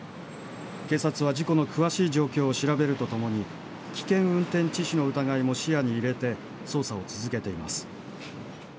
警察は事故の詳しい状況を調べるとともに危険運転致死の疑いも視野に入れて捜査を続けています。